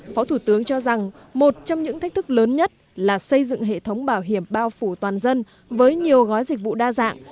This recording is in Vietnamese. phó thủ tướng cho rằng một trong những thách thức lớn nhất là xây dựng hệ thống bảo hiểm bao phủ toàn dân với nhiều gói dịch vụ đa dạng